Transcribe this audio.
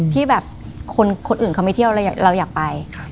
ที่แบบคนอื่นเขาไม่เที่ยวเราอยากไป